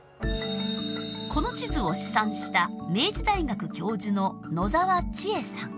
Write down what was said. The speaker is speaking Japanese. この地図を試算した明治大学教授の野澤千絵さん。